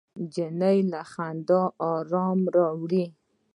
نجلۍ له خندا ارام راوړي.